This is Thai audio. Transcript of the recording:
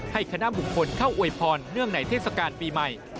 คณะบุคคลเข้าอวยพรเนื่องในเทศกาลปีใหม่